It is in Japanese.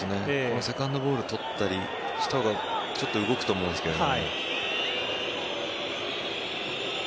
セカンドボールを取ったりした方がちょっと動くと思うんですけど。